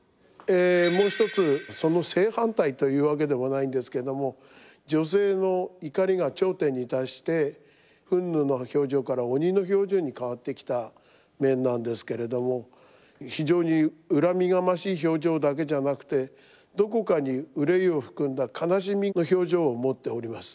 もう一つその正反対というわけでもないんですけども女性の怒りが頂点に達して憤怒の表情から鬼の表情に変わってきた面なんですけれども非常に恨みがましい表情だけじゃなくてどこかに憂いを含んだ悲しみの表情を持っております。